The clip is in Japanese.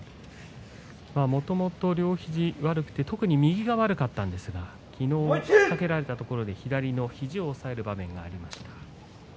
もともと両肘が悪くて特に右が悪かったんですが昨日、引っ掛けられたところで左の肘を押さえる場面がありました。